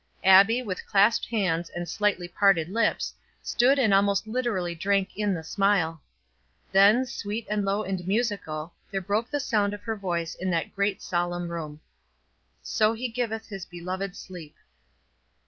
Abbie, with clasped hands and slightly parted lips, stood and almost literally drank in the smile; then, sweet and low and musical, there broke the sound of her voice in that great solemn room. "So he giveth his beloved sleep."